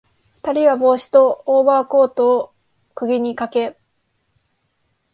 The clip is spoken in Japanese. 二人は帽子とオーバーコートを釘にかけ、